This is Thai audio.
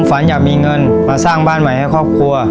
ฝันอยากมีเงินมาสร้างบ้านใหม่ให้ครอบครัว